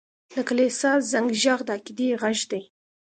د کلیسا زنګ ږغ د عقیدې غږ دی.